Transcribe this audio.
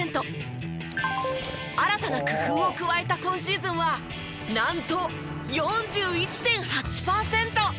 新たな工夫を加えた今シーズンはなんと４１．８パーセント。